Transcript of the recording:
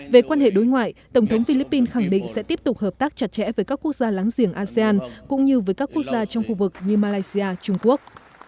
về quan hệ đối ngoại tổng thống philippines khẳng định sẽ tiếp tục hợp tác chặt chẽ với các quốc gia láng giềng asean cũng như với các quốc gia trong khu vực như malaysia trung quốc